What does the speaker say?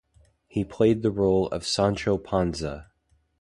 He played the role of "Sancho Panza".